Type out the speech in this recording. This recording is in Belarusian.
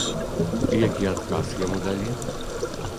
Які адказ яму далі?